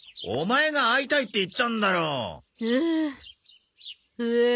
オマエが会いたいって言ったんだろ。